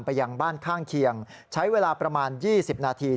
ยังบ้านข้างเคียงใช้เวลาประมาณ๒๐นาที